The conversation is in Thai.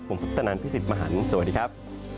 ผมพุทธนันทร์พี่สิบหมารสวัสดีครับ